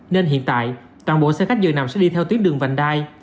nên hiện tại toàn bộ xe khách dường nằm sẽ đi theo tuyến đường vành đai